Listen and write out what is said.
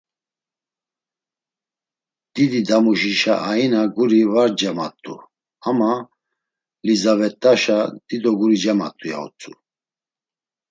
Dididamuşişa aina guri var cemat̆u, ama Lizavettaşa dido guri cemat̆u, ya utzu.